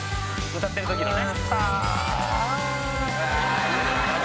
「歌ってる時のね」